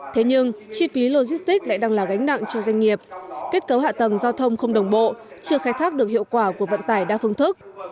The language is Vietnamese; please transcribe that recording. thế nhưng chi phí logistics lại đang là gánh nặng cho doanh nghiệp kết cấu hạ tầng giao thông không đồng bộ chưa khai thác được hiệu quả của vận tải đa phương thức